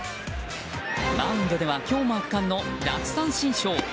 マウンドでは今日も圧巻の奪三振ショー。